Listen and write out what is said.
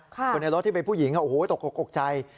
คนในรถที่เป็นผู้หญิงโอ้โหตกออกตกใจ